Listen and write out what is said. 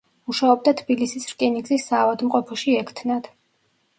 მუშაობდა თბილისის რკინიგზის საავადმყოფოში ექთნად.